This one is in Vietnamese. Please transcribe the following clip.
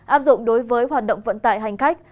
áp dụng đối với hoạt động vận tải hành khách